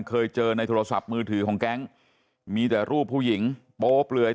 เคยเจอในโทรศัพท์มือถือของแก๊งมีแต่รูปผู้หญิงโปเปลือย